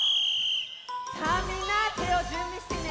さあみんなてをじゅんびしてね。